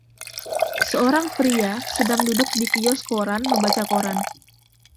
Seorang pria sedang duduk di kios koran, membaca koran